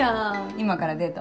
今からデート？